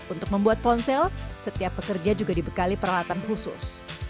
untuk membuat ponsel setiap pekerja juga dibekali peralatan khusus